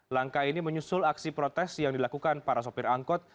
langkah ini menyusul aksi protes yang dilakukan para sopir angkot